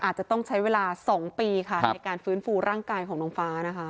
อาจจะต้องใช้เวลา๒ปีค่ะในการฟื้นฟูร่างกายของน้องฟ้านะคะ